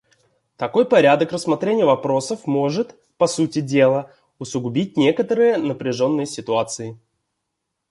Такой порядок рассмотрения вопросов может, по сути дела, усугубить некоторые напряженные ситуации.